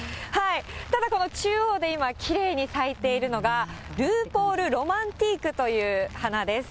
ただこの中央で今、きれいに咲いているのが、ルーポールロマンティークという花です。